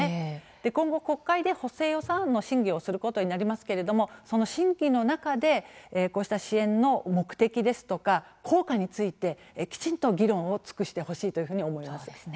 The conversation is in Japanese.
今後、国会で補正予算案の審議をすることになりますけれどもその審議の中で、こうした支援の目的ですとか効果についてきちんと議論を尽くしてほしいというふうに思います。